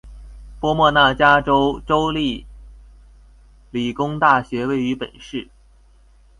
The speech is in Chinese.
波莫纳加州州立理工大学位于本市。